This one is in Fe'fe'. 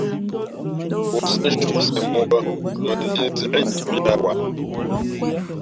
Ǒ sǐʼ nshuʼ nseʼ mǒ bᾱ, mα njīīnseʼ incōb yāā waʼ.